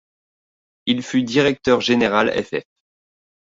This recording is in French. Il fut directeur-général ff.